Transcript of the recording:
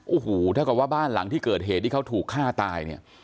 โอ้โหเท่ากับว่าบ้านหลังที่เกิดเหตุที่เขาถูกฆ่าตายเนี่ย